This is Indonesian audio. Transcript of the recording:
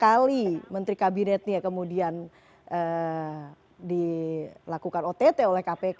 kali menteri kabinetnya kemudian dilakukan ott oleh kpk